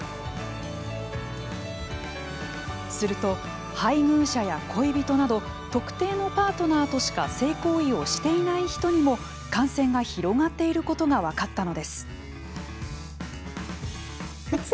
すると、配偶者や恋人など特定のパートナーとしか性行為をしていない人にも感染が広がっていることが分かったのです。